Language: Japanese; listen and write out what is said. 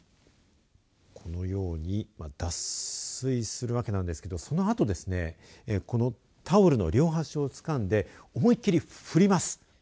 このように脱水するわけですけどこのタオルの両端をつかんで思い切り振ります。